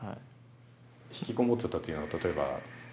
引きこもってたというのは例えば。